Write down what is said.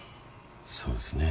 そうですね。